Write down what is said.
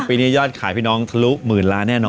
ปีนี้ยอดขายพี่น้องทะลุหมื่นล้านแน่นอน